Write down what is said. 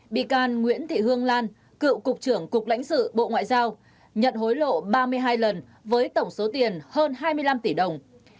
bị can nguyễn thị hương lan cựu cục trưởng cục lãnh sự bộ ngoại giao nhận hối lộ ba mươi hai lần với tổng số tiền hơn hai mươi năm tỷ đồng